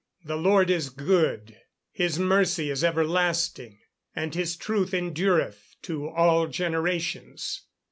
[Verse: "The Lord is good; his mercy is everlasting; and his truth endureth to all generations."